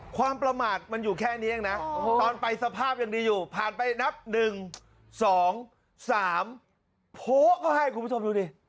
ความประมาทมันอยู่แค่นี้เองนะตอนไปสภาพยังดีอยู่ผ่านไปนับ๑๒๓โพะก็ให้คุณผู้ชมดูดิ